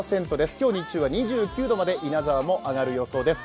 今日日中は２９度まで稲沢も上がる予想です。